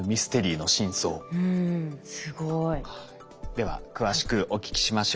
では詳しくお聞きしましょう。